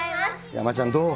山ちゃん、どう？